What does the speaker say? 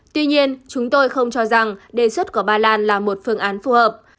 tuy nhiên chúng tôi không cho rằng đề xuất của ba lan là một phương án phù hợp